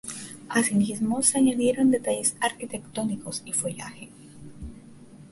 Así mismo, se añadieron detalles arquitectónicos y follaje.